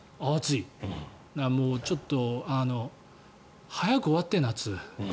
もう、ちょっと早く終わって、夏。